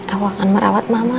aku akan merawat mama